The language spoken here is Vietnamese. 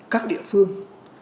các địa phương